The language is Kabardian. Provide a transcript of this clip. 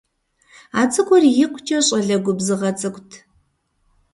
А цӏыкӏур икъукӀэ щӀалэ губзыгъэ цӀыкӀут.